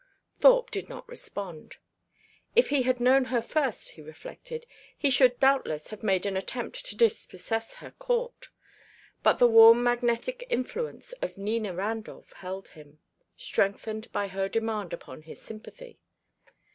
Thorpe did not respond. If he had known her first, he reflected, he should doubtless have made an attempt to dispossess her court; but the warm magnetic influence of Nina Randolph held him, strengthened by her demand upon his sympathy.